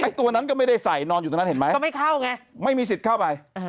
ตัวนั้นก็ไม่ได้ใส่นอนอยู่ตรงนั้นเห็นไหมก็ไม่เข้าไงไม่มีสิทธิ์เข้าไป